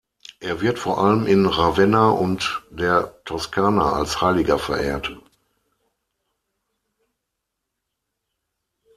Er wird vor allem in Ravenna und der Toskana als Heiliger verehrt.